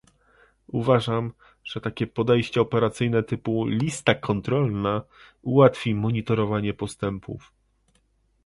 Uważam, że takie podejście operacyjne typu "lista kontrolna" ułatwi monitorowanie postępów